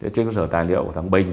trên cơ sở tài liệu của thằng bình